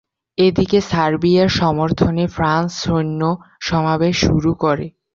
এদিকে সার্বিয়ার সমর্থনে ফ্রান্স সৈন্য সমাবেশ শুরু করে।